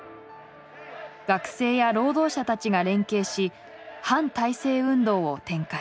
学生や労働者たちが連携し反体制運動を展開。